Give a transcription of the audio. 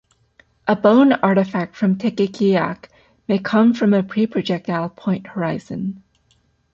A bone artifact from Tequixquiac may come from a pre-projectile point horizon.